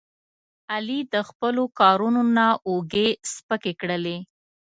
علي د خپلو کارونو نه اوږې سپکې کړلې.